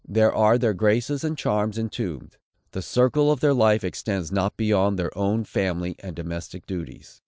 There are their graces and charms entombed. The circle of their life extends not beyond their own family and domestic duties.